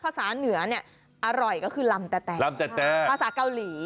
พัฒาเหนื้อนี่อะอร่อยก็คือรำแตะภาษาเกาหลี